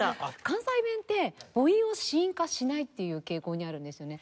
関西弁って母音を子音化しないっていう傾向にあるんですよね。